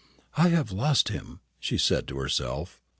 "I have lost him," she said to herself.